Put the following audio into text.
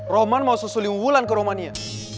roman mau sesuling ulan ke romania